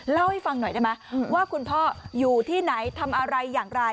เล่าให้ฟังหน่อยได้ไหมว่าคุณพ่ออยู่ที่ไหนทำอะไรอย่างไร